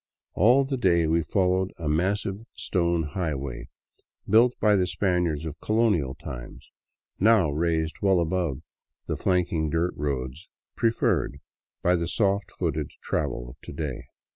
All the day we followed a massive stone highway, built by the Spaniards of colonial times, now raised well above the flanking dirt roads preferred by the soft footed travel of to day.